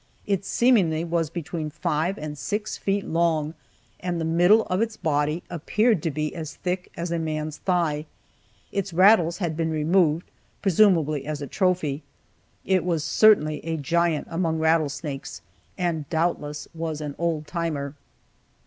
It seemingly was between five and six feet long, and the middle of its body appeared to be as thick as a man's thigh. Its rattles had been removed, presumably as a trophy. It was certainly a giant among rattlesnakes, and doubtless was an "old timer."